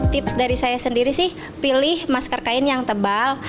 tips dari saya sendiri sih pilih masker kain yang tebal